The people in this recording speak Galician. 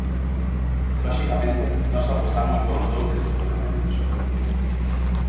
Loxicamente, nós apostamos polos dous desenvolvementos.